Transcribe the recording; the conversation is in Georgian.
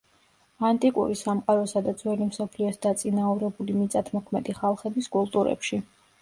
ანტიკური სამყაროსა და ძველი მსოფლიოს დაწინაურებული მიწათმოქმედი ხალხების კულტურებში.